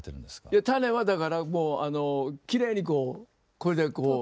いや種はだからもうあのきれいにこうこれでこう。